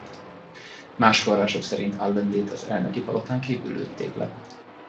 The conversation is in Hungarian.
Más források szerint Allendét az elnöki palotán kívül lőtték le.